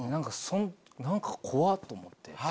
何か怖っ！と思って。